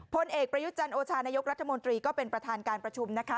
พลเอกประยุจันทร์โอชานายกรัฐมนตรีก็เป็นประธานการประชุมนะคะ